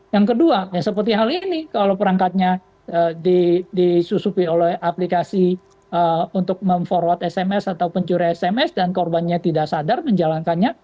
yang kedua seperti hal ini kalau perangkatnya disusupi oleh aplikasi untuk mem forward sms atau pencuri sms dan korbannya tidak sadar menjalankannya